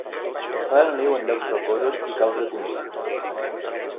Fa el niu en llocs rocosos i caus de conill.